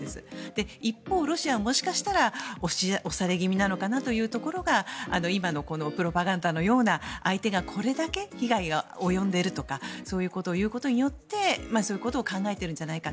で、一方ロシアはもしかしたら押され気味なのかなというところが今のこのプロパガンダのような相手がこれだけ被害が及んでいるとかそういうことを言うことによってそういうことを考えてるんじゃないか。